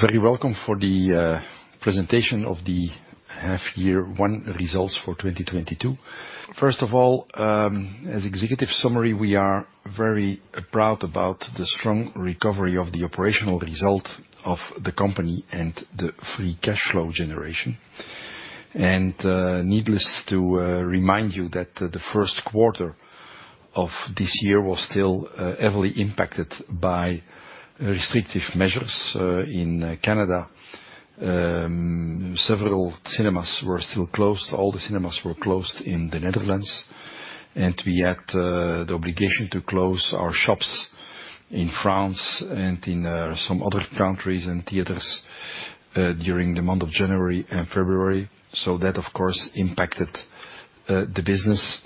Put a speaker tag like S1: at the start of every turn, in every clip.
S1: Very welcome for the presentation of the half-year one results for 2022. First of all, as executive summary, we are very proud about the strong recovery of the operational result of the company and the free cash flow generation. Needless to remind you that the first quarter of this year was still heavily impacted by restrictive measures in Canada. Several cinemas were still closed, all the cinemas were closed in the Netherlands, and we had the obligation to close our shops in France and in some other countries and theaters during the month of January and February. That, of course, impacted the business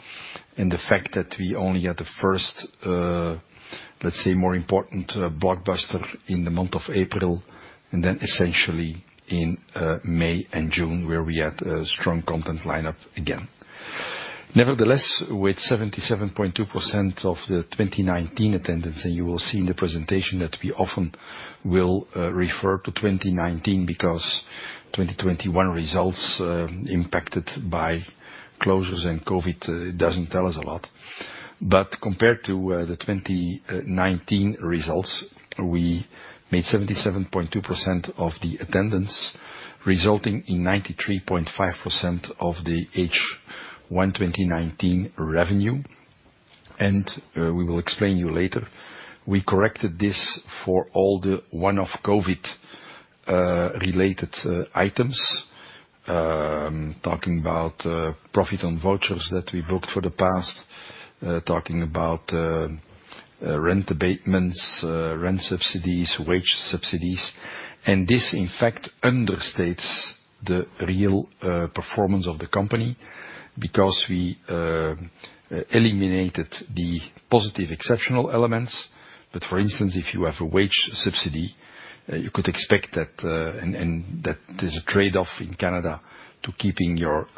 S1: and the fact that we only had the first, let's say more important, blockbuster in the month of April, and then essentially in May and June, where we had a strong content lineup again. Nevertheless, with 77.2% of the 2019 attendance, and you will see in the presentation that we often will refer to 2019 because 2021 results, impacted by closures and COVID, doesn't tell us a lot. Compared to the 2019 results, we made 77.2% of the attendance, resulting in 93.5% of the H1 2019 revenue. We will explain to you later. We corrected this for all the one-off COVID related items. Talking about profit on vouchers that we booked for the past, rent abatements, rent subsidies, wage subsidies. This, in fact, understates the real performance of the company because we eliminated the positive exceptional elements. For instance, if you have a wage subsidy, you could expect that, and that there's a trade-off in Canada to keeping your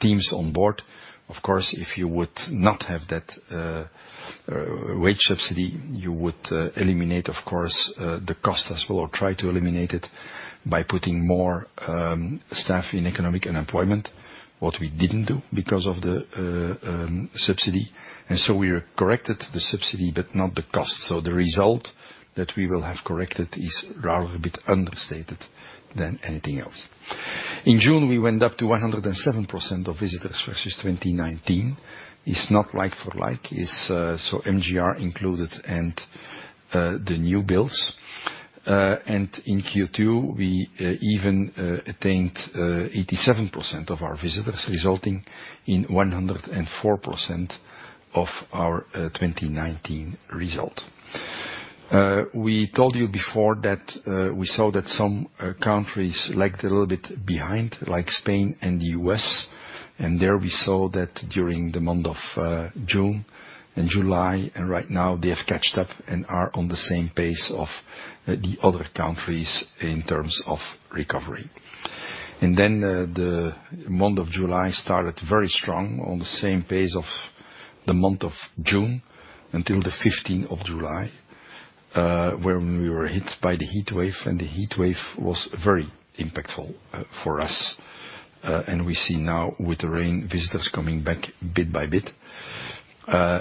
S1: teams on board. Of course, if you would not have that wage subsidy, you would eliminate, of course, the cost as well, or try to eliminate it by putting more staff in economic unemployment. What we didn't do because of the subsidy. We corrected the subsidy, but not the cost. The result that we will have corrected is rather a bit understated than anything else. In June, we went up to 107% of visitors versus 2019. It's not like for like, it's so MJR included and the new builds. In Q2, we even attained 87% of our visitors, resulting in 104% of our 2019 result. We told you before that we saw that some countries lagged a little bit behind, like Spain and the U.S. There we saw that during the month of June and July, and right now they have caught up and are on the same pace as the other countries in terms of recovery. The month of July started very strong on the same pace as the month of June until the July 15th, when we were hit by the heatwave. The heatwave was very impactful for us. We see now with the rain, visitors coming back bit by bit.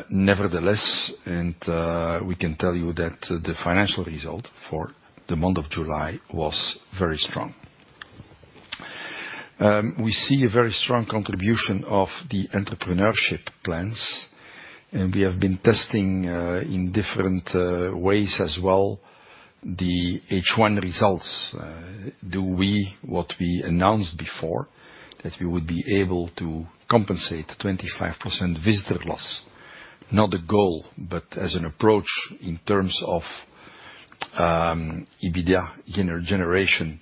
S1: Nevertheless, we can tell you that the financial result for the month of July was very strong. We see a very strong contribution of the Entrepreneurship plans, and we have been testing in different ways as well, the H1 results. What we announced before, that we would be able to compensate 25% visitor loss. Not a goal, but as an approach in terms of EBITDA generation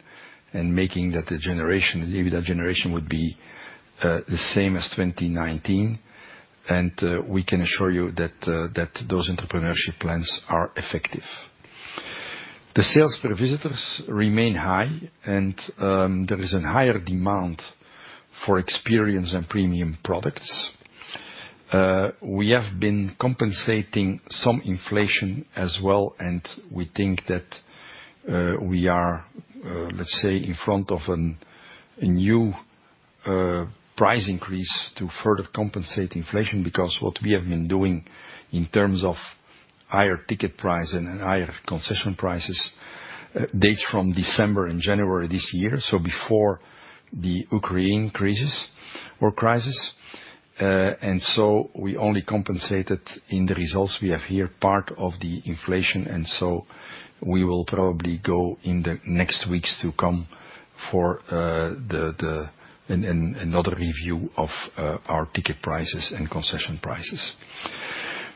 S1: and making the EBITDA generation the same as 2019. We can assure you that those Entrepreneurship plans are effective. The sales per visitor remain high and there is a higher demand for experience and premium products. We have been compensating some inflation as well, and we think that we are, let's say, in front of a new price increase to further compensate inflation. Because what we have been doing in terms of higher ticket price and higher concession prices dates from December and January this year, so before the Ukraine crisis, war crisis. We only compensated in the results we have here part of the inflation. We will probably go in the next weeks to come for another review of our ticket prices and concession prices.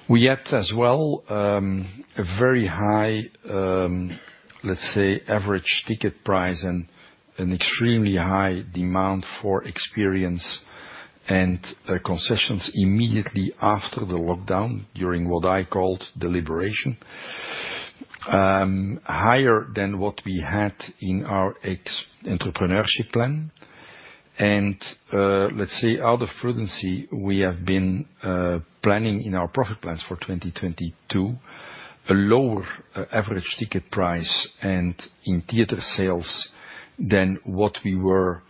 S1: We had as well a very high, let's say, average ticket price and an extremely high demand for experience and concessions immediately after the lockdown, during what I called the liberation. Higher than what we had in our Entrepreneurship plan. Let's see, out of prudence, we have been planning in our profit plans for 2022, a lower average ticket price and in-theater sales than what we were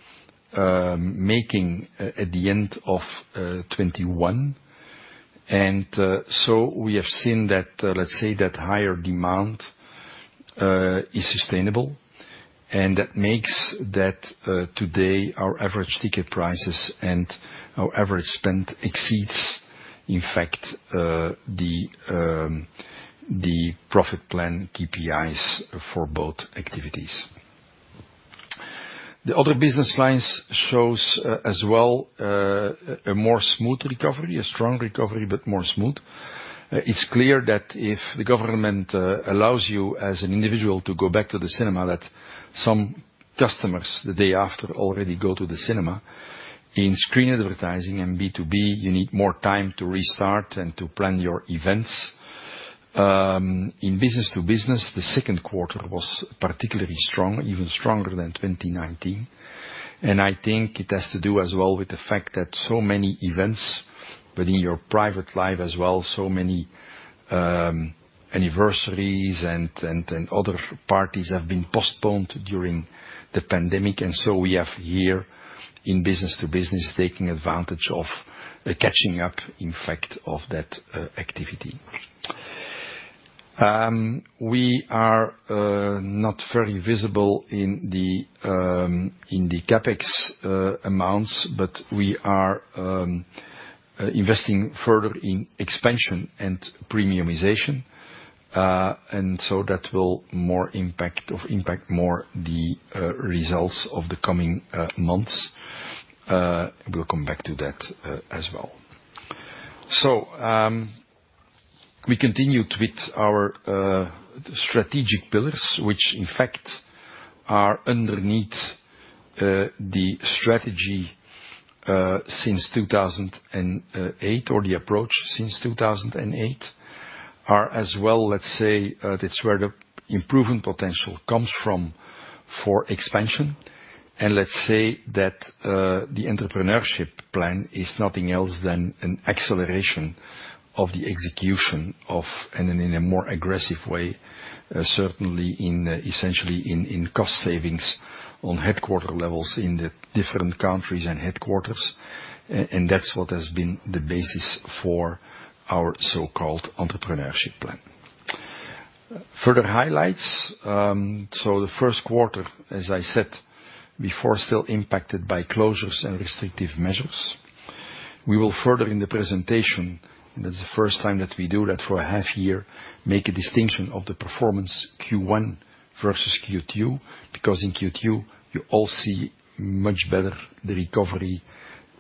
S1: making at the end of 2021. We have seen that, let's say that higher demand is sustainable. That makes that today our average ticket prices and our average spend exceeds, in fact, the profit plan KPIs for both activities. The other business lines shows, as well, a more smooth recovery. A strong recovery, but more smooth. It's clear that if the government allows you as an individual to go back to the cinema, that some customers, the day after, already go to the cinema. In screen advertising and B2B, you need more time to restart and to plan your events. In business-to-business, the second quarter was particularly strong, even stronger than 2019. I think it has to do as well with the fact that so many events within your private life as well, so many, anniversaries and other parties have been postponed during the pandemic. We have here in business-to-business, taking advantage of the catching up in fact of that activity. We are not very visible in the CapEx amounts, but we are investing further in expansion and premiumization. That will more impact or impact more the results of the coming months. We'll come back to that as well. We continued with our strategic pillars, which in fact are underneath the strategy since 2008, or the approach since 2008. That's where the improvement potential comes from for expansion. Let's say that the Entrepreneurship plan is nothing else than an acceleration of the execution of and in a more aggressive way, certainly essentially in cost savings on headquarter levels in the different countries and headquarters. That's what has been the basis for our so-called Entrepreneurship plan. Further highlights. The first quarter, as I said before, still impacted by closures and restrictive measures. We will further in the presentation, that's the first time that we do that for a half year, make a distinction of the performance Q1 versus Q2. Because in Q2, you all see much better the recovery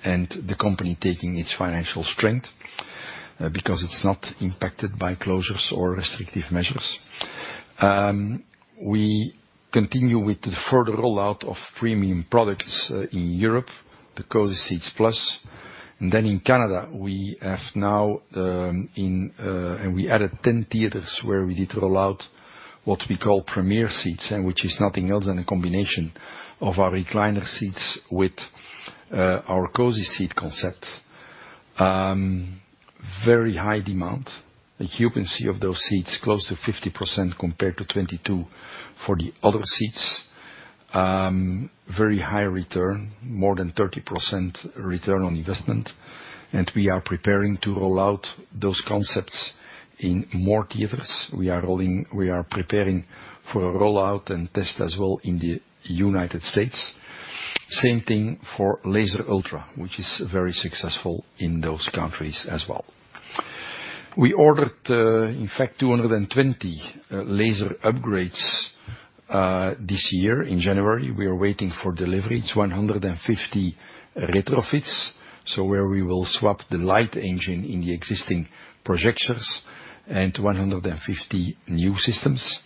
S1: and the company taking its financial strength, because it's not impacted by closures or restrictive measures. We continue with the further rollout of premium products, in Europe, the Cosy Seats Plus. Then in Canada, we have now and we added 10 theaters where we did roll out what we call Premiere Seats, and which is nothing else than a combination of our recliner seats with our Cosy Seat concept. Very high demand. The occupancy of those seats close to 50% compared to 22% for the other seats. Very high return, more than 30% return on investment. We are preparing to roll out those concepts in more theaters. We are preparing for a rollout and test as well in the United States. Same thing for Laser ULTRA, which is very successful in those countries as well. We ordered, in fact, 220 laser upgrades this year in January. We are waiting for delivery to 150 retrofits. Where we will swap the light engine in the existing projectors and 150 new systems.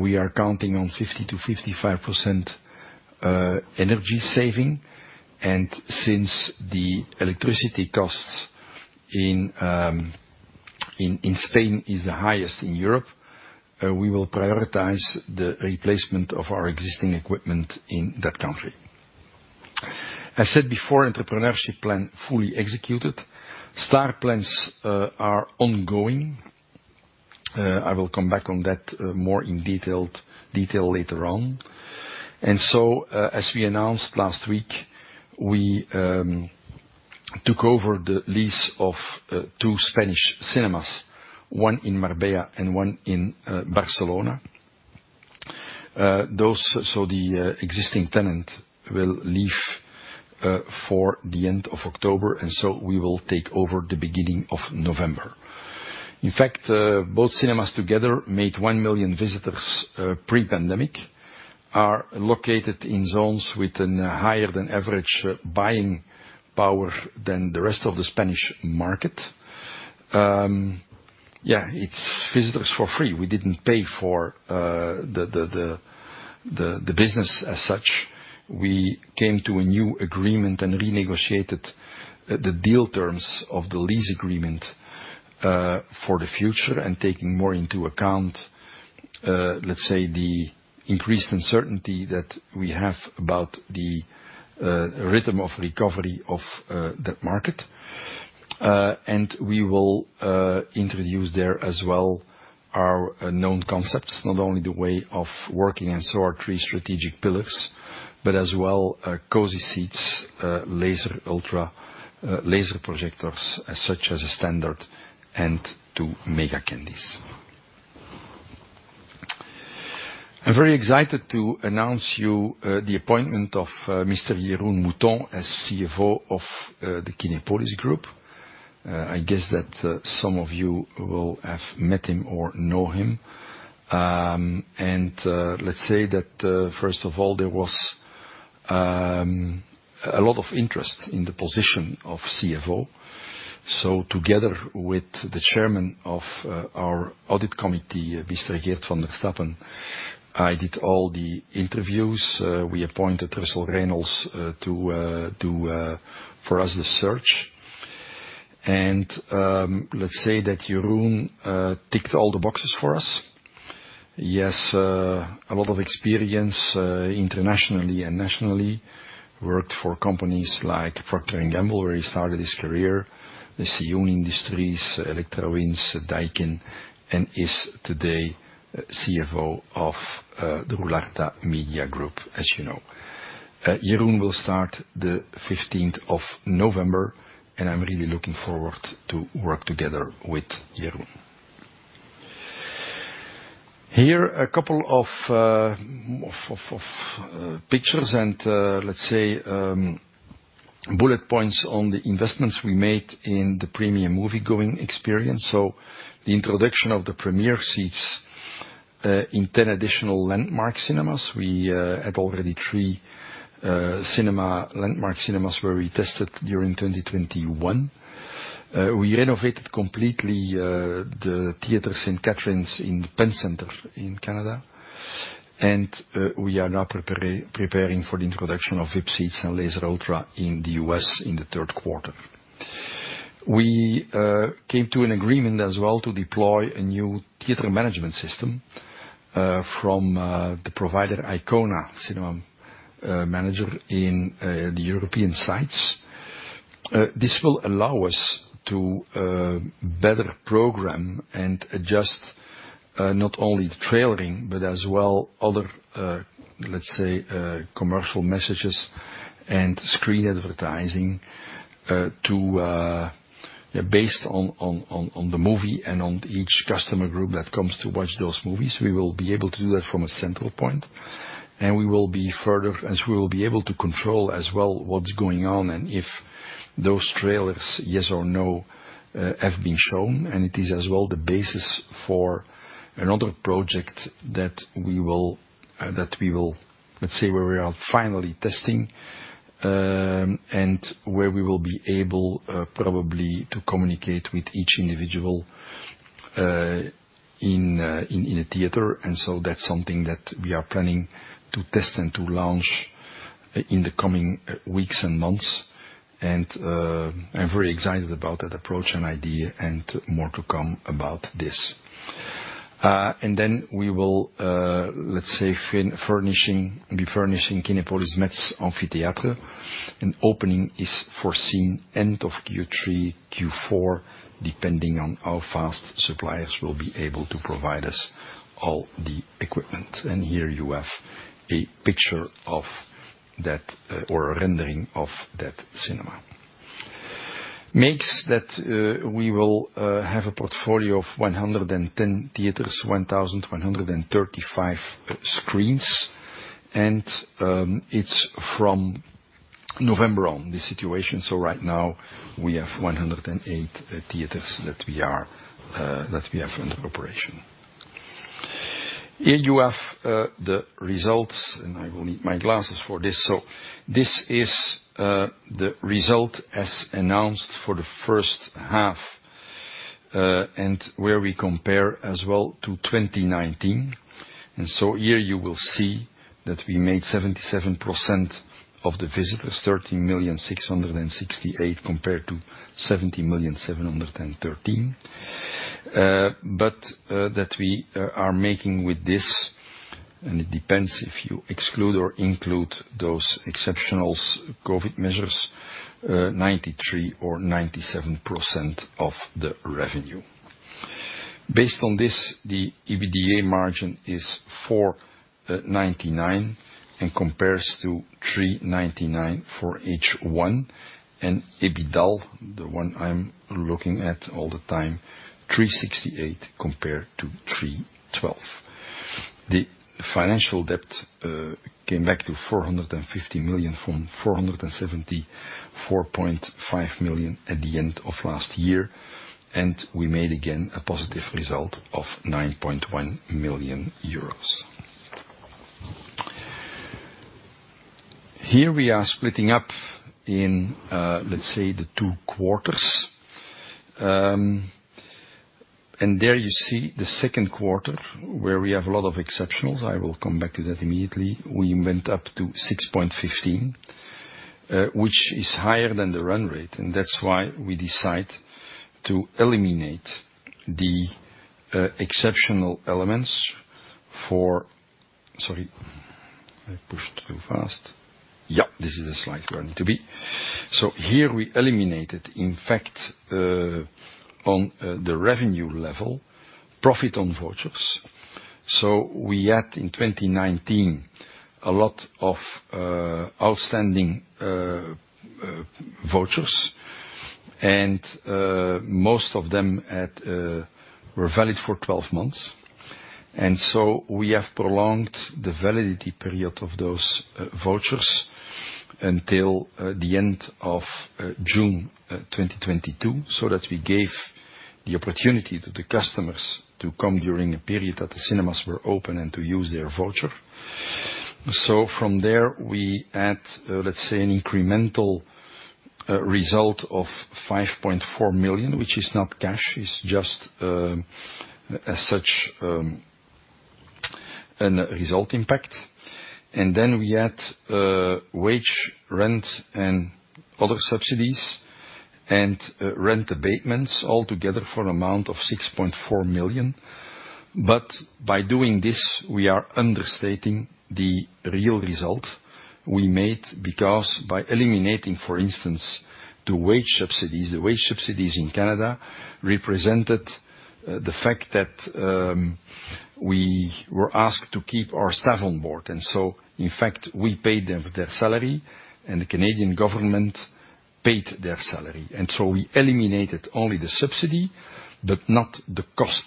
S1: We are counting on 50%-55% energy saving. Since the electricity costs in Spain is the highest in Europe, we will prioritize the replacement of our existing equipment in that country. I said before, Entrepreneurship plan fully executed. STAR plans are ongoing. I will come back on that more in detail later on. As we announced last week, we took over the lease of two Spanish cinemas, one in Marbella and one in Barcelona. The existing tenant will leave for the end of October, and we will take over the beginning of November. In fact, both cinemas together made 1 million visitors pre-pandemic, are located in zones with a higher than average buying power than the rest of the Spanish market. Yeah, it's visitors for free. We didn't pay for the business as such. We came to a new agreement and renegotiated the deal terms of the lease agreement for the future and taking more into account, let's say the increased uncertainty that we have about the rhythm of recovery of that market. We will introduce there as well our known concepts, not only the way of working and so our three strategic pillars, but as well our Cosy Seats, Laser ULTRA laser projectors as a standard and two MegaKiddies. I'm very excited to announce to you the appointment of Mr. Jeroen Mouton as CFO of the Kinepolis Group. I guess that some of you will have met him or know him. Let's say that first of all, there was a lot of interest in the position of CFO. Together with the Chairman of our audit committee, Mr. Geert Vanderstappen, I did all the interviews. We appointed Russell Reynolds Associates to do the search for us. Let's say that Jeroen ticked all the boxes for us. He has a lot of experience internationally and nationally. Worked for companies like Procter & Gamble, where he started his career. Sioen Industries, Electrawinds, Daikin, and is today CFO of the Roularta Media Group, as you know. Jeroen will start the November 15th, and I'm really looking forward to work together with Jeroen. Here, a couple of pictures and, let's say, bullet points on the investments we made in the premium moviegoing experience. The introduction of the Premiere Seats in 10 additional Landmark Cinemas. We had already three Landmark Cinemas where we tested during 2021. We renovated completely the theater St. Catharines in the Pen Centre in Canada. We are now preparing for the introduction of VIP Seats and Laser ULTRA in the U.S. in the third quarter. We came to an agreement as well to deploy a new theater management system from the provider Eikona Cinema Manager in the European sites. This will allow us to better program and adjust not only the trailering, but as well other let's say commercial messages and screen advertising, to based on the movie and on each customer group that comes to watch those movies, we will be able to do that from a central point. We will be further as we will be able to control as well what's going on and if those trailers yes or no have been shown. It is as well the basis for another project that we will, let's say, where we are finally testing, and where we will be able, probably to communicate with each individual in a theater. That's something that we are planning to test and to launch in the coming weeks and months. I'm very excited about that approach and idea and more to come about this. Then we will, let's say, be furnishing Kinepolis Metz Amphithéâtre, and opening is foreseen end of Q3, Q4, depending on how fast suppliers will be able to provide us all the equipment. Here you have a picture of that or a rendering of that cinema. That means we will have a portfolio of 110 theaters, 1,135 screens, and it's from November on, the situation. Right now we have 108 theaters that we have in operation. Here you have the results, and I will need my glasses for this. This is the result as announced for the first half, and where we compare as well to 2019. Here you will see that we made 77% of the visitors, 13,668,000, compared to 17,713,000. That we are making with this, and it depends if you exclude or include those exceptional COVID measures, 93% or 97% of the revenue. Based on this, the EBITDA margin is 4.99% and compares to 3.99% for H1. EBITDAL, the one I'm looking at all the time, 3.68 compared to 3.12. The financial debt came back to 450 million from 474.5 million at the end of last year. We made again a positive result of 9.1 million euros. Here we are splitting up in, let's say, the two quarters. There you see the second quarter where we have a lot of exceptionals. I will come back to that immediately. We went up to 6.15%, which is higher than the run rate, and that's why we decide to eliminate the exceptional elements. Sorry, I pushed too fast. Yeah, this is the slide where I need to be. Here we eliminated, in fact, on the revenue level, profit on vouchers. We had in 2019 a lot of outstanding vouchers and most of them were valid for 12 months. We have prolonged the validity period of those vouchers until the end of June 2022, so that we gave the opportunity to the customers to come during a period that the cinemas were open and to use their voucher. From there we add, let's say, an incremental result of 5.4 million, which is not cash. It's just as such a result impact. Then we add wage, rent, and other subsidies and rent abatements all together for an amount of 6.4 million. By doing this, we are understating the real result we made, because by eliminating, for instance, the wage subsidies in Canada represented the fact that we were asked to keep our staff on board. In fact, we paid them their salary and the Canadian government paid their salary. We eliminated only the subsidy but not the cost.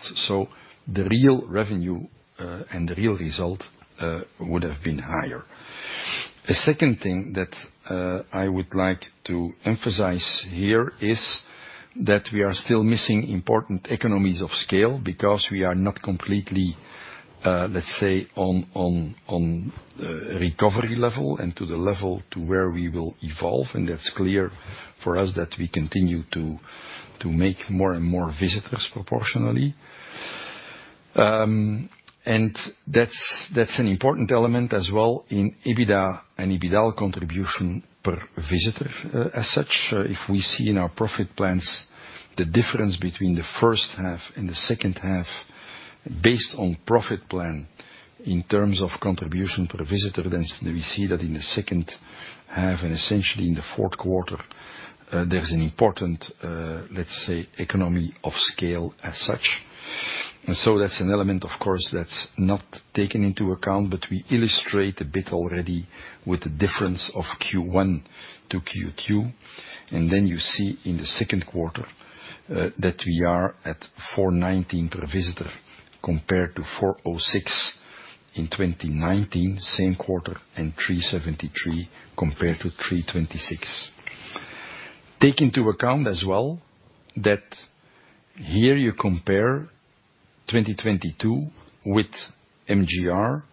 S1: The real revenue and the real result would have been higher. The second thing that I would like to emphasize here is that we are still missing important economies of scale because we are not completely, let's say, on recovery level and to the level to where we will evolve. That's clear for us that we continue to make more and more visitors proportionally. That's an important element as well in EBITDA and EBITDA contribution per visitor. As such, if we see in our profit plans the difference between the first half and the second half based on profit plan in terms of contribution per visitor, then we see that in the second half and essentially in the fourth quarter, there's an important, let's say, economy of scale as such. That's an element, of course, that's not taken into account, but we illustrate a bit already with the difference of Q1 to Q2. You see in the second quarter, that we are at 4.19 per visitor compared to 4.06 in 2019, same quarter, and 3.73 compared to 3.26. Take into account as well that here you compare 2022 with MJR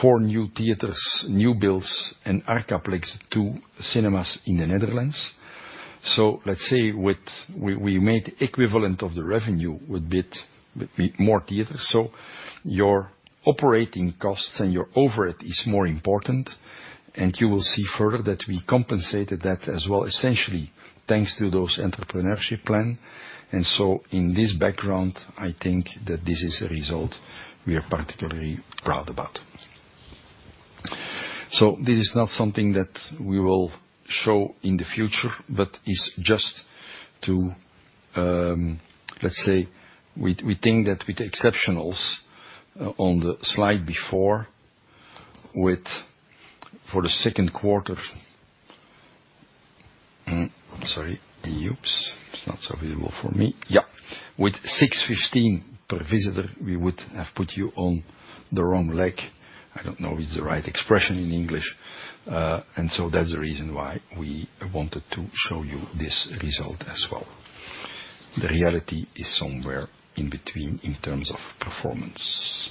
S1: four new theaters, new builds, and Arcaplex two cinemas in the Netherlands. Let's say we made equivalent of the revenue with EBIT, with more theaters. Your operating costs and your overhead is more important, and you will see further that we compensated that as well, essentially thanks to those entrepreneurship plan. In this background, I think that this is a result we are particularly proud about. This is not something that we will show in the future, but it's just to, let's say, we think that with exceptionals on the slide before, for the second quarter. With 6.15 per visitor, we would have put you on the wrong leg. I don't know if it's the right expression in English. That's the reason why we wanted to show you this result as well. The reality is somewhere in between in terms of performance.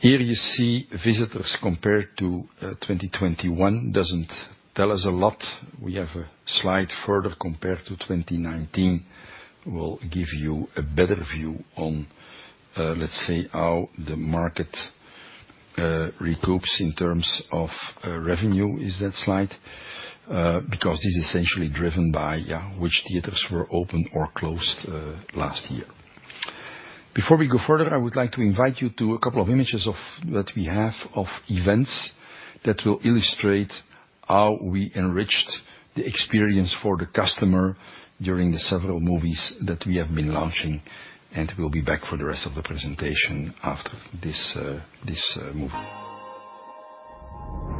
S1: Here you see visitors compared to 2021. Doesn't tell us a lot. We have a slide further compared to 2019, will give you a better view on, let's say, how the market recoups in terms of revenue, is that slide. Because this is essentially driven by which theaters were opened or closed last year. Before we go further, I would like to invite you to a couple of images that we have of events that will illustrate how we enriched the experience for the customer during the several movies that we have been launching. We'll be back for the rest of the presentation after this movie. Here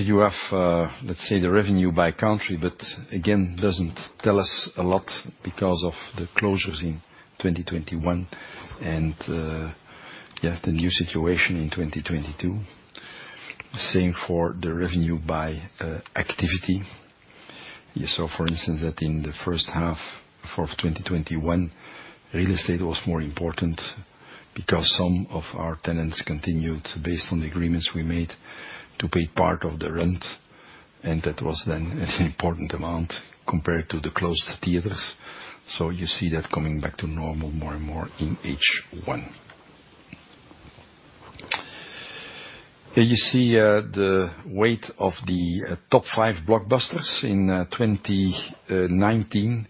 S1: you have, let's say, the revenue by country, but again, doesn't tell us a lot because of the closures in 2021 and, yeah, the new situation in 2022. Same for the revenue by activity. You saw, for instance, that in the first half of 2021, real estate was more important because some of our tenants continued based on the agreements we made to pay part of the rent, and that was then an important amount compared to the closed theaters. You see that coming back to normal more and more in H1. Here you see the weight of the top five blockbusters in 2019,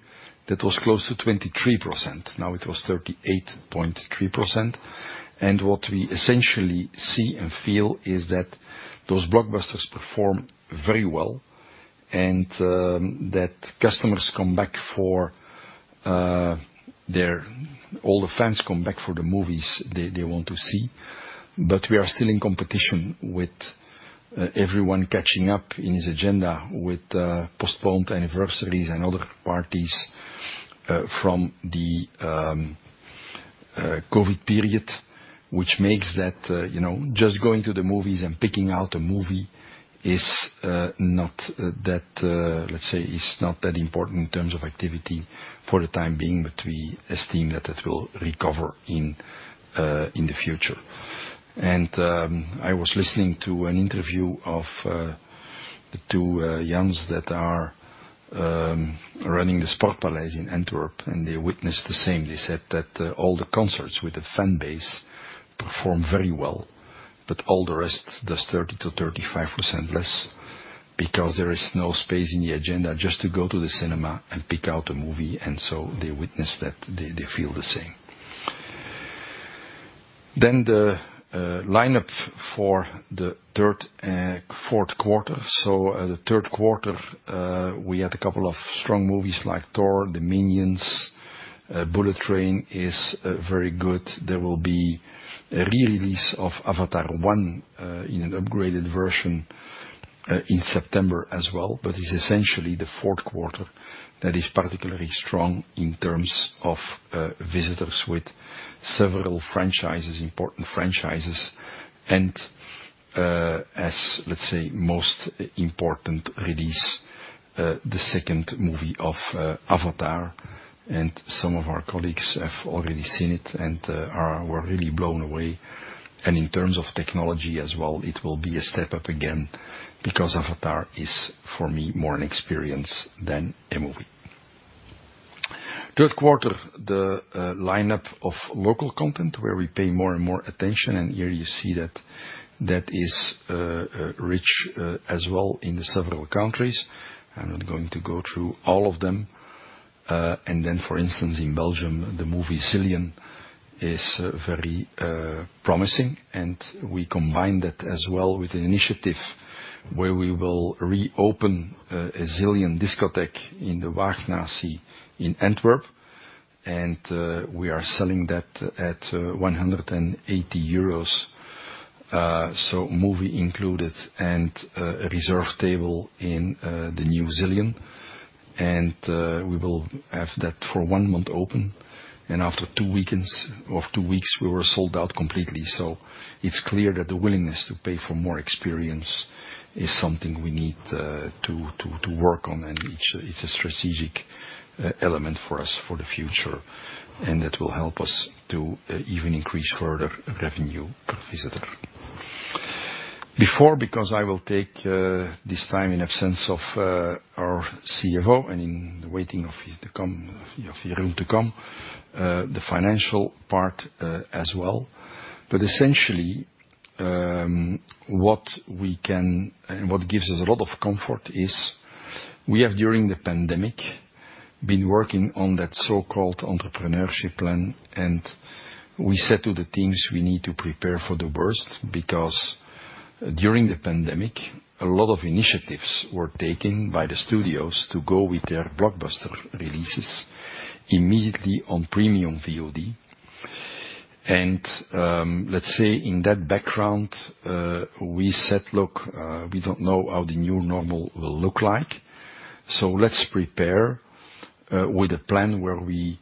S1: that was close to 23%. Now it was 38.3%. What we essentially see and feel is that those blockbusters perform very well and that customers come back for. All the fans come back for the movies they want to see. We are still in competition with everyone catching up in his agenda with postponed anniversaries and other parties from the COVID period, which makes that, you know, just going to the movies and picking out a movie is not that, let's say, is not that important in terms of activity for the time being, but we estimate that that will recover in the future. I was listening to an interview of the two Jans that are running the Sportpaleis in Antwerp, and they witnessed the same. They said that all the concerts with the fan base perform very well, but all the rest does 30%-35% less because there is no space in the agenda just to go to the cinema and pick out a movie. They witness that they feel the same. The lineup for the third, fourth quarter. The third quarter, we had a couple of strong movies like Thor, the Minions. Bullet Train is very good. There will be a re-release of Avatar one in an upgraded version in September as well. It's essentially the fourth quarter that is particularly strong in terms of visitors with several franchises, important franchises, and, as, let's say, most important release, the second movie of Avatar. Some of our colleagues have already seen it and were really blown away. In terms of technology as well, it will be a step up again because Avatar is for me more an experience than a movie. Third quarter, the lineup of local content where we pay more and more attention. Here you see that is rich as well in several countries. I'm not going to go through all of them. For instance, in Belgium, the movie Zillion is very promising, and we combine that as well with an initiative where we will reopen a Zillion discotheque in the Waagnatie in Antwerp. We are selling that at 180 euros, so movie included and a reserved table in the new Zillion. We will have that for one month open. After two weekends of two weeks, we were sold out completely. It's clear that the willingness to pay for more experience is something we need to work on. It's a strategic element for us for the future, and that will help us to even increase further revenue per visitor. Before, because I will take this time in absence of our CFO and in waiting for Jeroen to come the financial part as well. Essentially, what we can and what gives us a lot of comfort is we have, during the pandemic, been working on that so-called Entrepreneurship plan. We said to the teams, we need to prepare for the worst, because during the pandemic, a lot of initiatives were taken by the studios to go with their blockbuster releases immediately on premium VOD. Let's say, in that background, we said, "Look, we don't know how the new normal will look like, so let's prepare, with a plan where we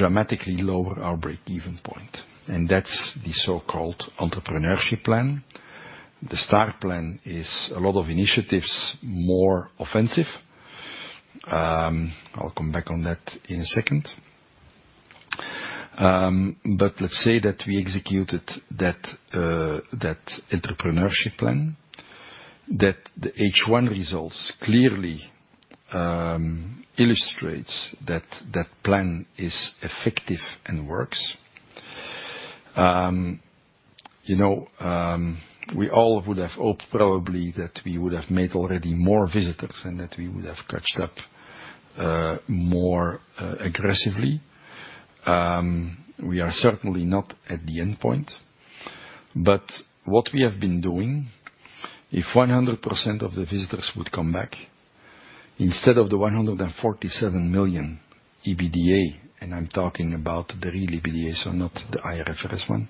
S1: dramatically lower our break-even point." That's the so-called Entrepreneurship plan. The STAR plan is a lot of initiatives, more offensive. I'll come back on that in a second. But let's say that we executed that Entrepreneurship plan, that the H1 results clearly illustrates that that plan is effective and works. You know, we all would have hoped probably that we would have made already more visitors and that we would have caught up more aggressively. We are certainly not at the end point, but what we have been doing, if 100% of the visitors would come back instead of the 147 million EBITDA, and I'm talking about the real EBITDA, so not the IFRS one,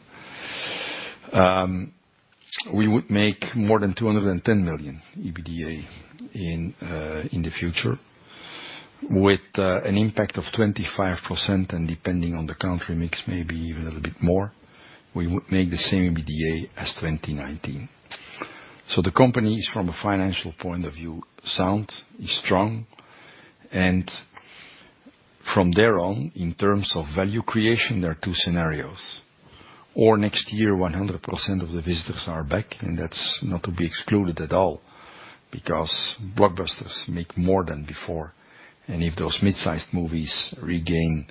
S1: we would make more than 210 million EBITDA in the future with an impact of 25% and depending on the country mix, maybe even a little bit more. We would make the same EBITDA as 2019. The company is, from a financial point of view, sound, is strong, and from there on, in terms of value creation, there are two scenarios. Next year, 100% of the visitors are back, and that's not to be excluded at all because blockbusters make more than before. If those mid-sized movies regain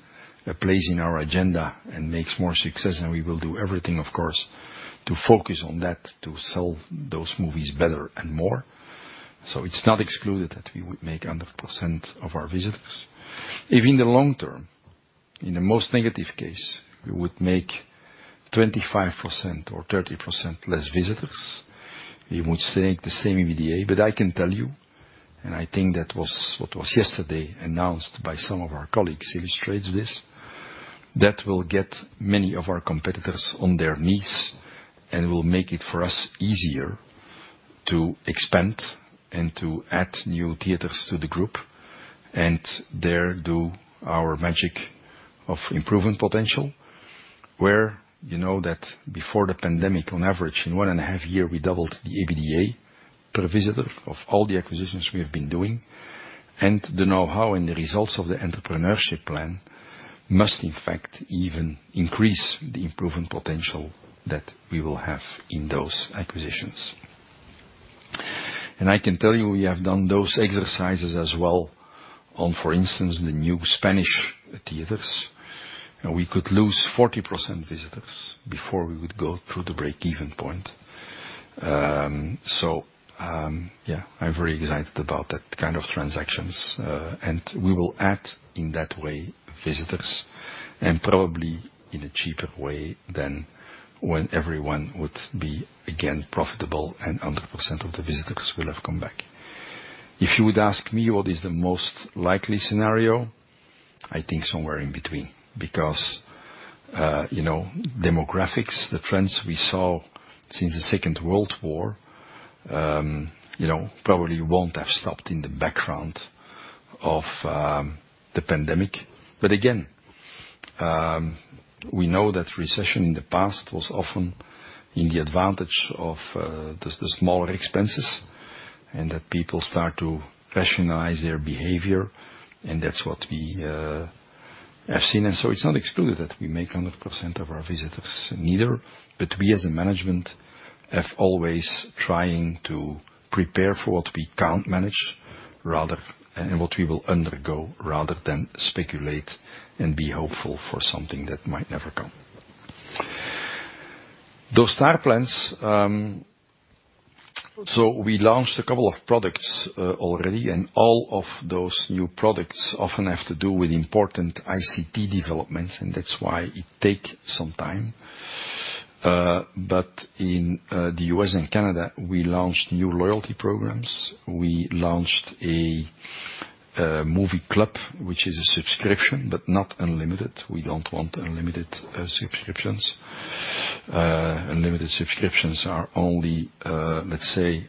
S1: a place in our agenda and makes more success, and we will do everything, of course, to focus on that, to sell those movies better and more. It's not excluded that we would make 100% of our visitors. If in the long term, in the most negative case, we would make 25% or 30% less visitors, we would make the same EBITDA. I can tell you, and I think that was what was yesterday announced by some of our colleagues illustrates this, that will get many of our competitors on their knees and will make it, for us, easier to expand and to add new theaters to the group and there do our magic of improvement potential. Where you know that before the pandemic, on average, in one and a half year, we doubled the EBITDA per visitor of all the acquisitions we have been doing. The know-how and the results of the Entrepreneurship plan must in fact even increase the improvement potential that we will have in those acquisitions. I can tell you, we have done those exercises as well on, for instance, the new Spanish theaters. We could lose 40% visitors before we would go through the break-even point. Yeah, I'm very excited about that kind of transactions. We will add, in that way, visitors, and probably in a cheaper way than when everyone would be again profitable and 100% of the visitors will have come back. If you would ask me what is the most likely scenario, I think somewhere in between. Because, you know, demographics, the trends we saw since the Second World War, you know, probably won't have stopped in the background of, the pandemic. Again, we know that recession in the past was often in the advantage of, the smaller expenses and that people start to rationalize their behavior, and that's what we, have seen. It's not excluded that we make 100% of our visitors neither. We, as a management, have always trying to prepare for what we can't manage rather, and what we will undergo, rather than speculate and be hopeful for something that might never come. Those STAR plans, we launched a couple of products already, and all of those new products often have to do with important ICT developments, and that's why it take some time. In the U.S. and Canada, we launched new loyalty programs. We launched a Movie Club, which is a subscription, but not unlimited. We don't want unlimited subscriptions. Unlimited subscriptions are only, let's say,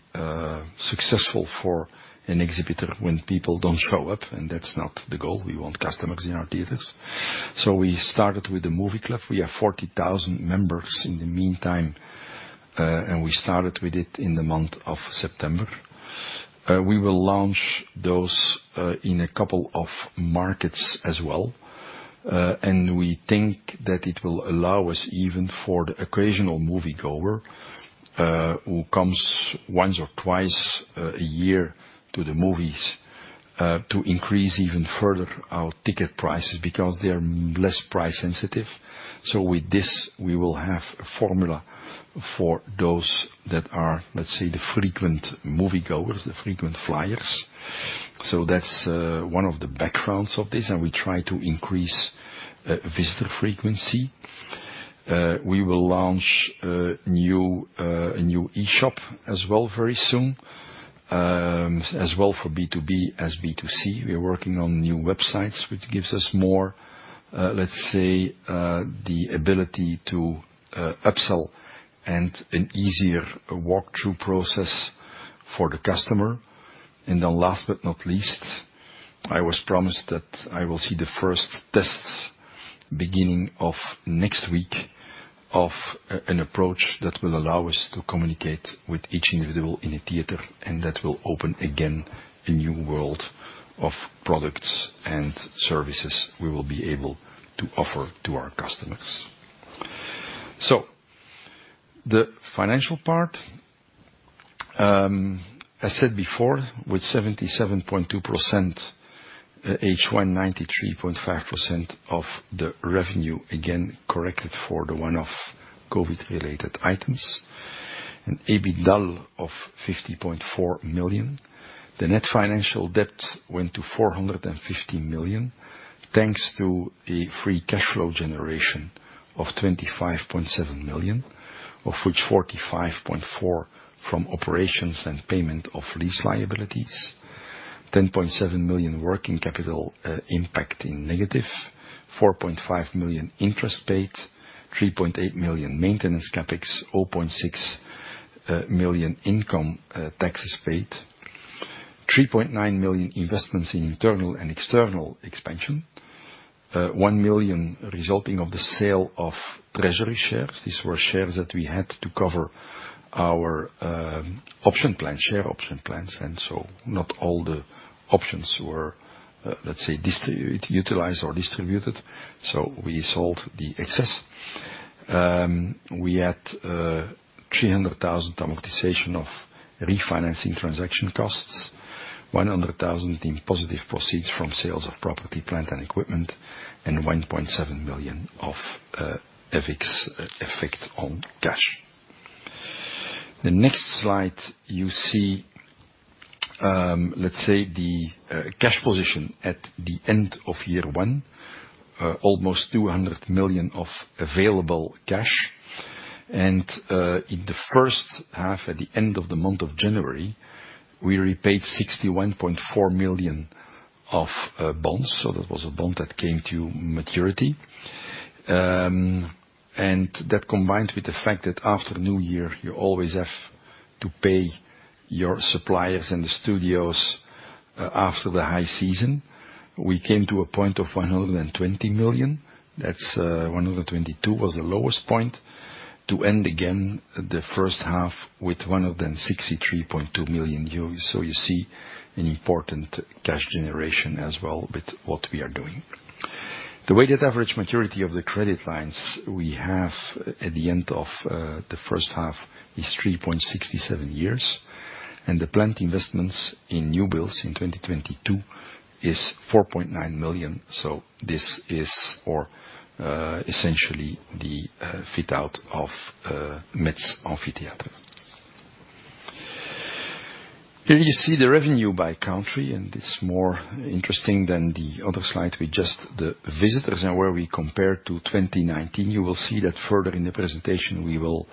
S1: successful for an exhibitor when people don't show up, and that's not the goal. We want customers in our theaters. We started with the Movie Club. We have 40,000 members in the meantime, and we started with it in the month of September. We will launch those in a couple of markets as well. We think that it will allow us even for the occasional moviegoer who comes once or twice a year to the movies to increase even further our ticket prices because they're less price sensitive. With this, we will have a formula for those that are, let's say, the frequent moviegoers, the frequent flyers. That's one of the backgrounds of this, and we try to increase visitor frequency. We will launch a new e-shop as well very soon, as well for B2B as B2C. We're working on new websites, which gives us more, let's say, the ability to upsell and an easier walk-through process for the customer. Then last but not least, I was promised that I will see the first tests beginning of next week of an approach that will allow us to communicate with each individual in a theater, and that will open again a new world of products and services we will be able to offer to our customers. The financial part, I said before, with 77.2% H1, 93.5% of the revenue, again corrected for the one-off COVID-related items, an EBITDA of 50.4 million. The net financial debt went to 450 million, thanks to a free cash flow generation of 25.7 million, of which 45.4 million from operations and payment of lease liabilities, 10.7 million working capital negative impact, 4.5 million interest paid, 3.8 million maintenance CapEx, 4.6 million income taxes paid, 3.9 million investments in internal and external expansion, 1 million resulting from the sale of treasury shares. These were shares that we had to cover our option plan, share option plans, and so not all the options were, let's say, utilized or distributed, so we sold the excess. We had 300,000 amortization of refinancing transaction costs, 100,000 in positive proceeds from sales of property, plant, and equipment, and 1.7 million of effect on cash. The next slide you see, let's say the cash position at the end of year one, almost 200 million of available cash. In the first half, at the end of the month of January, we repaid 61.4 million of bonds. That was a bond that came to maturity. That combined with the fact that after New Year, you always have to pay your suppliers and the studios after the high season. We came to a point of 120 million. That 122 was the lowest point to end again the first half with 163.2 million euros. You see an important cash generation as well with what we are doing. The weighted average maturity of the credit lines we have at the end of the first half is 3.67 years, and the planned investments in new builds in 2022 is 4.9 million. This is essentially the fit-out of Metz Amphitheatre. Here you see the revenue by country, and it's more interesting than the other slide with just the visitors and where we compare to 2019. You will see that further in the presentation, we will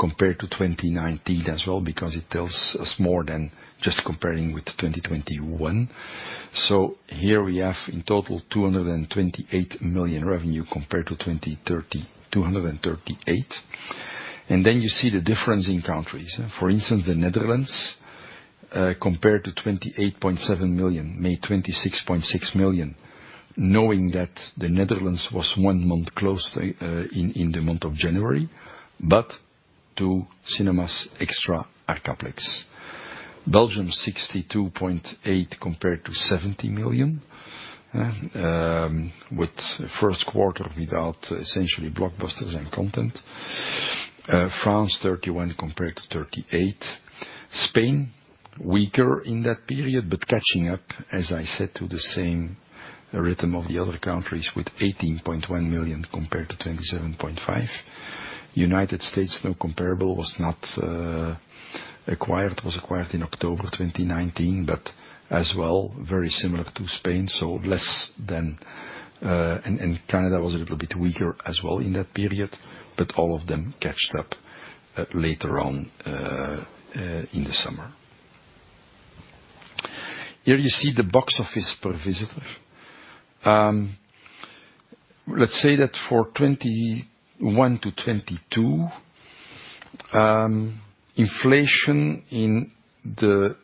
S1: compare to 2019 as well because it tells us more than just comparing with 2021. Here we have in total 228 million revenue compared to 238 million. You see the difference in countries. For instance, the Netherlands compared to 28.7 million, made 26.6 million, knowing that the Netherlands was one month closed in the month of January. Two cinemas extra, Arcaplex. Belgium, 62.8 compared to 70 million with first quarter without essentially blockbusters and content. France, 31 compared to 38. Spain, weaker in that period, but catching up, as I said, to the same rhythm of the other countries with 18.1 million compared to 27.5. United States, no comparable, was not acquired, was acquired in October 2019, but as well, very similar to Spain, so less than. Canada was a little bit weaker as well in that period, but all of them caught up later on in the summer. Here you see the box office per visitor. Let's say that for 2021 to 2022, inflation in the,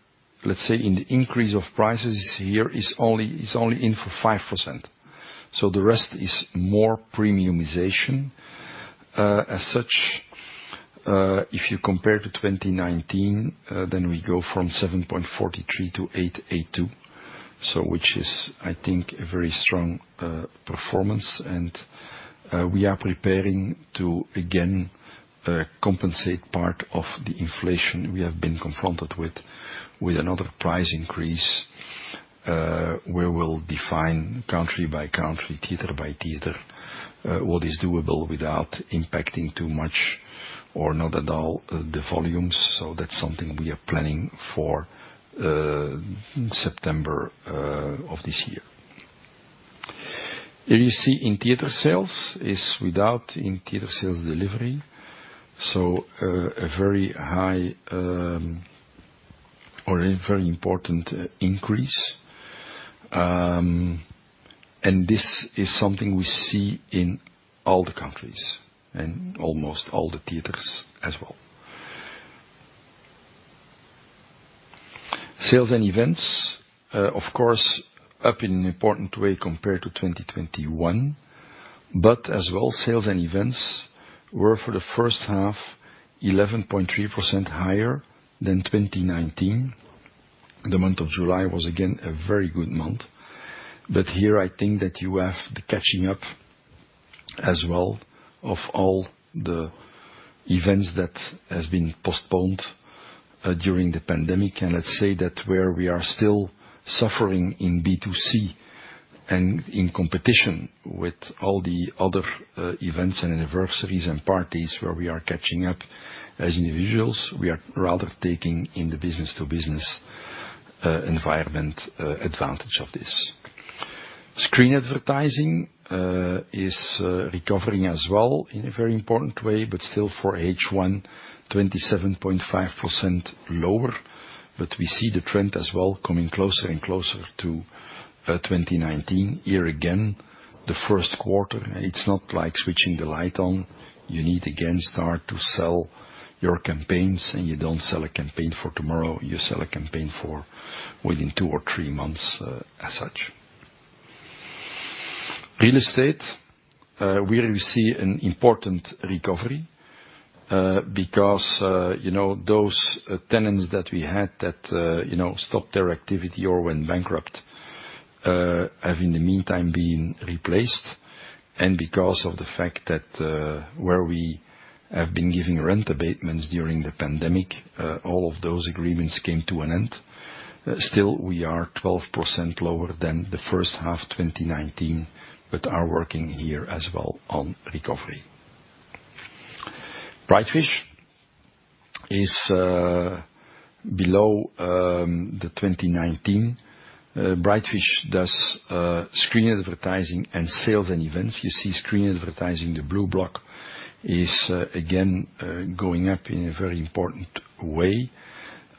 S1: let's say, in the increase of prices here is only 5%. So the rest is more premiumization. As such, if you compare to 2019, then we go from 7.43 to 8.82. So which is, I think, a very strong performance. We are preparing to again compensate part of the inflation we have been confronted with another price increase, where we'll define country by country, theater by theater, what is doable without impacting too much or not at all, the volumes. That's something we are planning for September of this year. You see, in-theater sales is without in-theater sales delivery. A very high or a very important increase. This is something we see in all the countries and almost all the theaters as well. Sales and events, of course, up in an important way compared to 2021. As well, sales and events were for the first half 11.3% higher than 2019. The month of July was again a very good month. Here, I think that you have the catching up as well of all the events that has been postponed during the pandemic. Let's say that where we are still suffering in B2C and in competition with all the other, events and anniversaries and parties where we are catching up as individuals, we are rather taking in the business-to-business, environment, advantage of this. Screen advertising is recovering as well in a very important way, but still for H1, 27.5% lower. We see the trend as well coming closer and closer to 2019. Here again, the first quarter, it's not like switching the light on. You need again start to sell your campaigns, and you don't sell a campaign for tomorrow, you sell a campaign for within two or three months, as such. Real estate, where we see an important recovery, because you know those tenants that we had that you know stopped their activity or went bankrupt, have in the meantime been replaced. Because of the fact that where we have been giving rent abatements during the pandemic, all of those agreements came to an end. Still, we are 12% lower than the first half 2019, but are working here as well on recovery. Brightfish is below 2019. Brightfish does screen advertising and sales and events. You see screen advertising, the blue block is again going up in a very important way.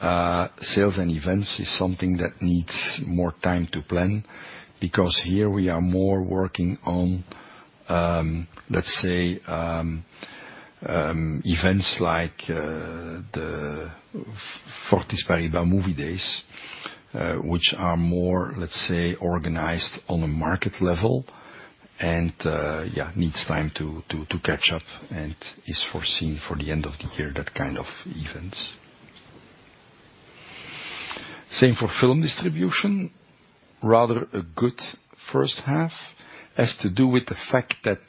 S1: Sales and events is something that needs more time to plan because here we are more working on, let's say, events like the BNP Paribas Fortis Film Days, which are more, let's say, organized on a market level and, yeah, needs time to catch up and is foreseen for the end of the year, that kind of events. Same for film distribution. Rather a good first half. Has to do with the fact that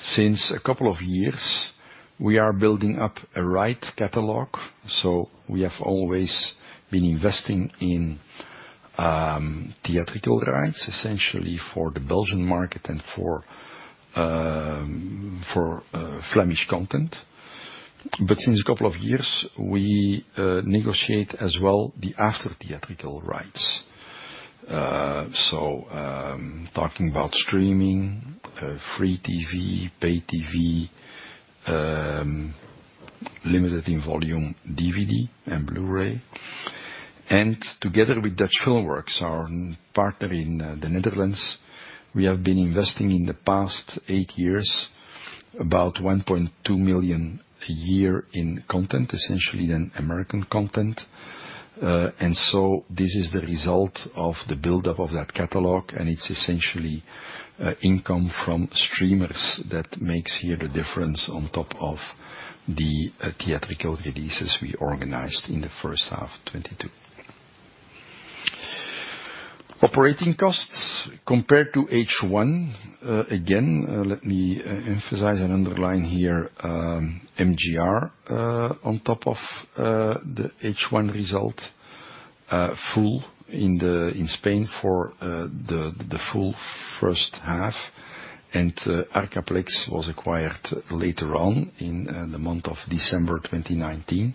S1: since a couple of years, we are building up a rich catalog, so we have always been investing in theatrical rights, essentially for the Belgian market and for Flemish content. But since a couple of years, we negotiate as well the after theatrical rights. So, talking about streaming, free TV, pay TV, limited in volume DVD and Blu-ray. Together with Dutch FilmWorks, our partner in the Netherlands, we have been investing in the past eight years about 1.2 million a year in content, essentially in American content. This is the result of the buildup of that catalog, and it's essentially income from streamers that makes here the difference on top of the theatrical releases we organized in the first half of 2022. Operating costs compared to H1. Again, let me emphasize and underline here, MJR on top of the H1 result, full in Spain for the full first half. Arcaplex was acquired later on in the month of December 2019.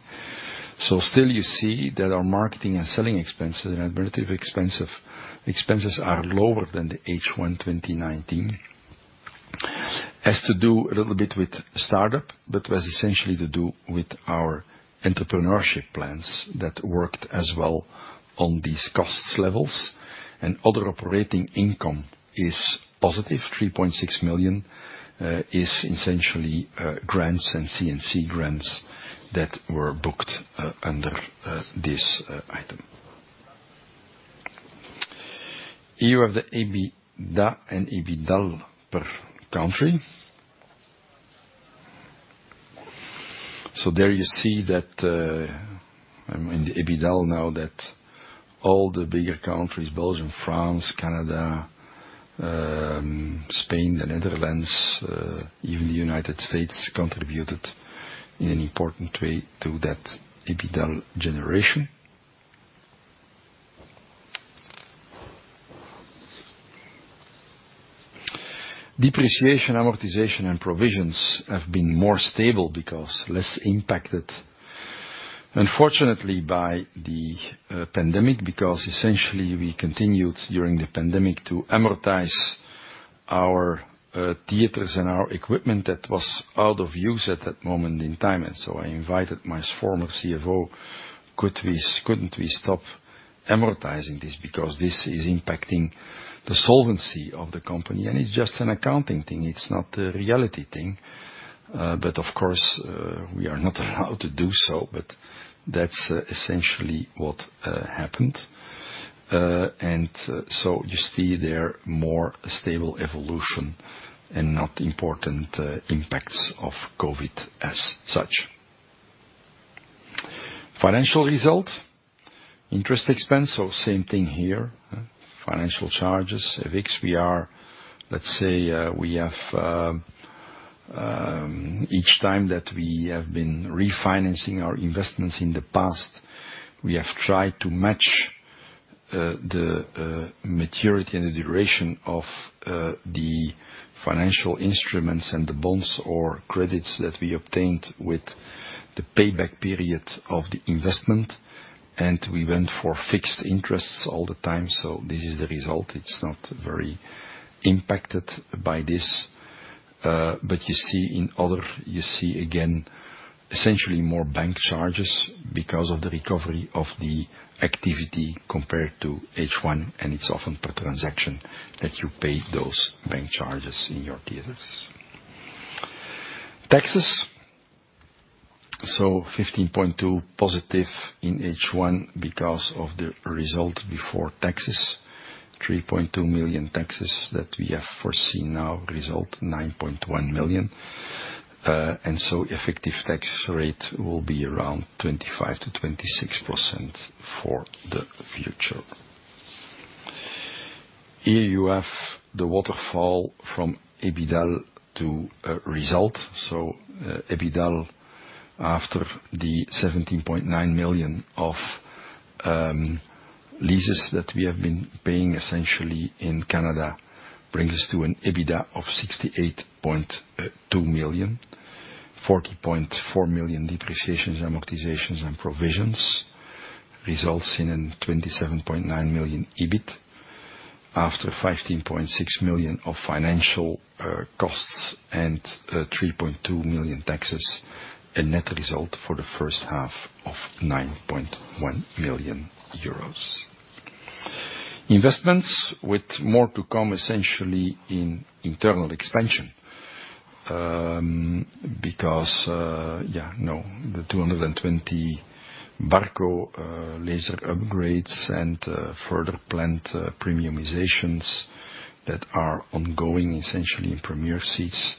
S1: Still you see that our marketing and selling expenses and administrative expenses are lower than the H1 2019. has to do a little bit with startup, but was essentially to do with our entrepreneurship plan that worked as well on these costs levels. Other operating income is positive 3.6 million. It is essentially grants and CNC grants that were booked under this item. Here you have the EBITDA and EBITDA per country. So there you see that I'm in the EBITDA now that all the bigger countries, Belgium, France, Canada, Spain, the Netherlands, even the United States, contributed in an important way to that EBITDA generation. Depreciation, amortization, and provisions have been more stable because less impacted, unfortunately, by the pandemic, because essentially we continued during the pandemic to amortize our theaters and our equipment that was out of use at that moment in time. I invited my former CFO, couldn't we stop amortizing this? Because this is impacting the solvency of the company, and it's just an accounting thing, it's not a reality thing. But of course, we are not allowed to do so. But that's essentially what happened. You see there more stable evolution and not important impacts of COVID as such. Financial result, interest expense, so same thing here. Financial charges, FX. We are, let's say, we have each time that we have been refinancing our investments in the past, we have tried to match the maturity and the duration of the financial instruments and the bonds or credits that we obtained with the payback period of the investment. We went for fixed interests all the time, so this is the result. It's not very impacted by this. You see, again, essentially more bank charges because of the recovery of the activity compared to H1, and it's often per transaction that you pay those bank charges in your theaters. Taxes. 15.2 positive in H1 because of the result before taxes. 3.2 million taxes that we have foreseen now result 9.1 million. Effective tax rate will be around 25%-26% for the future. Here you have the waterfall from EBITDA to result. EBITDA, after the 17.9 million of leases that we have been paying essentially in Canada, brings us to an EBITDA of 68.2 million, 40.4 million depreciations, amortizations, and provisions, resulting in 27.9 million EBIT. After 15.6 million of financial costs and 3.2 million taxes, a net result for the first half of 9.1 million euros. Investments with more to come essentially in internal expansion. The 220 Barco laser upgrades and further planned premiumizations that are ongoing essentially in Premiere Seats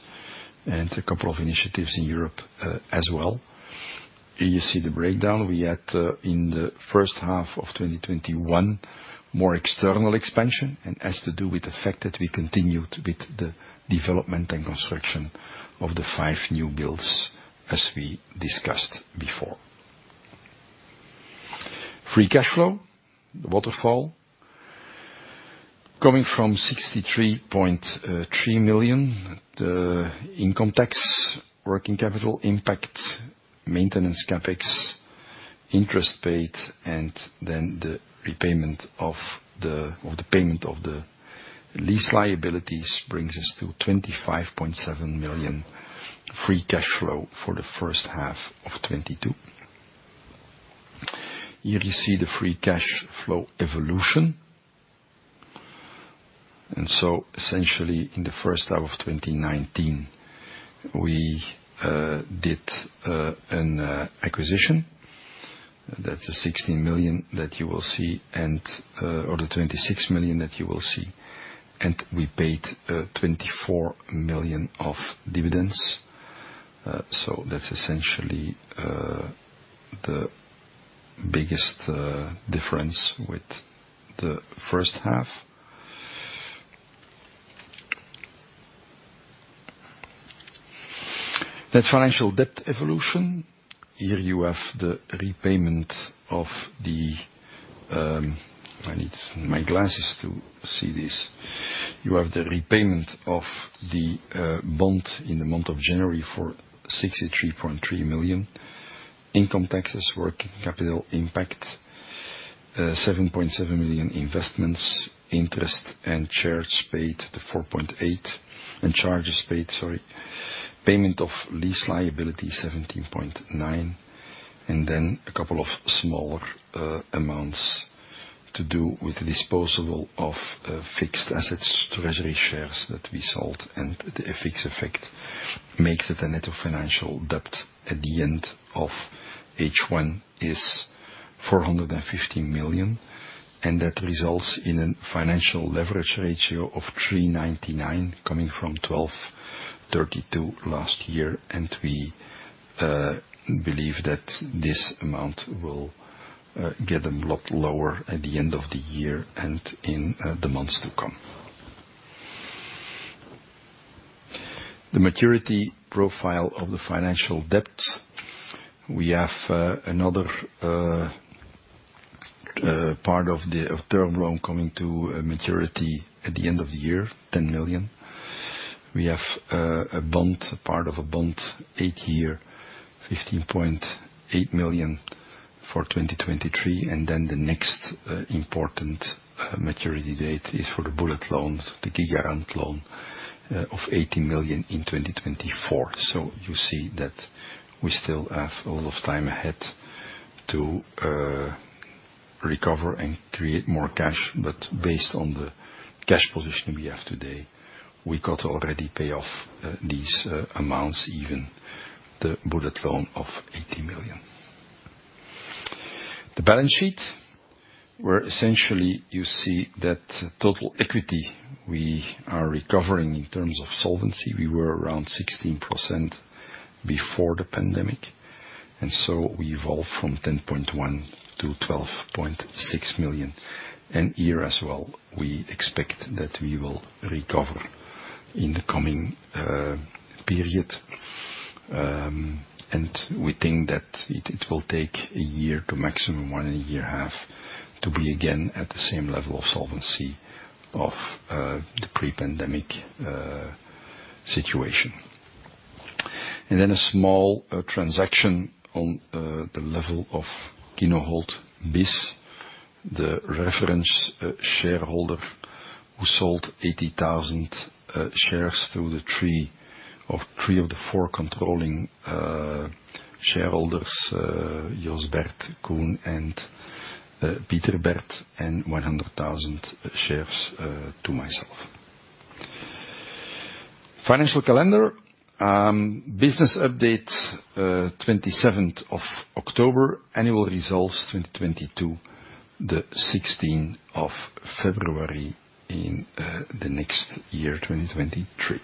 S1: and a couple of initiatives in Europe, as well. Here you see the breakdown. We had in the first half of 2021, more external expansion, and has to do with the fact that we continued with the development and construction of the five new builds, as we discussed before. Free cash flow, the waterfall, coming from 63.3 million. The income tax, working capital impact, maintenance CapEx, interest paid, and then the repayment of the or the payment of the lease liabilities brings us to 25.7 million free cash flow for the first half of 2022. Here you see the free cash flow evolution. Essentially in the first half of 2019, we did an acquisition. That's the 16 million that you will see or the 26 million that you will see. We paid 24 million of dividends. So that's essentially the biggest difference with the first half. That's financial debt evolution. Here you have the repayment of the. I need my glasses to see this. You have the repayment of the bond in the month of January for 63.3 million. Income taxes, working capital impact, 7.7 million investments, interest and taxes paid, the 4.8, and charges paid. Payment of lease liability, 17.9. Then a couple of smaller amounts to do with the disposal of fixed assets, treasury shares that we sold, and the FX effect. Makes it a net financial debt at the end of H1 is 450 million, and that results in a financial leverage ratio of 3.99 coming from 12.32 last year. We believe that this amount will get a lot lower at the end of the year and in the months to come. The maturity profile of the financial debt. We have another part of the term loan coming to maturity at the end of the year, 10 million. We have a bond, part of a bond, eight-year, 15.8 million for 2023. The next important maturity date is for the bullet loans, the Gigarant loan of 80 million in 2024. You see that we still have a lot of time ahead to recover and create more cash. Based on the cash position we have today, we got to already pay off these amounts, even the bullet loan of 80 million. The balance sheet, where essentially you see that total equity, we are recovering in terms of solvency. We were around 16% before the pandemic, and so we evolve from 10.1 million-12.6 million. Here as well, we expect that we will recover in the coming period. We think that it will take a year to maximum one and a half year to be again at the same level of solvency of the pre-pandemic situation. Then a small transaction on the level of Kinohold Bis. The reference shareholder who sold 80,000 shares through the three of the four controlling shareholders, Joost Bert, Koenraad Bert, and Peter Bert, and 100,000 shares to myself. Financial calendar, business update, October 27th. Annual results 2022, the February 16th in the next year, 2023.